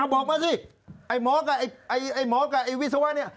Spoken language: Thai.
บอกมาสิไอ้หมอกับไอ้วิศวะนี่